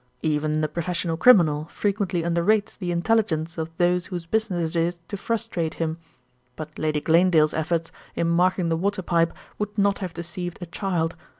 "Even the professional criminal frequently underrates the intelligence of those whose business it is to frustrate him; but Lady Glanedale's efforts in marking the water pipe would not have deceived a child.